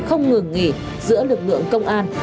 không ngừng nghỉ giữa lực lượng công an